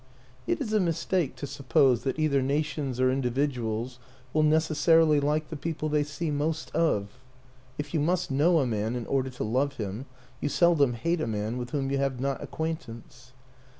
It is a mistake to suppose that either nations or individuals will necessarily like the people they see most of; if you must know a man in order to love him, you seldom hate a man with whom you have not acquaintance.